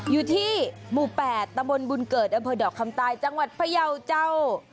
อยู่ที่หมู่แปดตมบลบูลเกิดอคตจังหวัดพยาวเจ้า